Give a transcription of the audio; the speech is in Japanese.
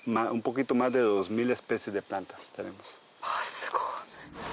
すごい。